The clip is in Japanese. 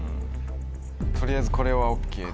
取りあえずこれはＯＫで。